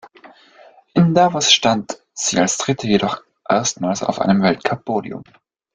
In Davos stand sie als Dritte jedoch erstmals auf einem Weltcup-Podium.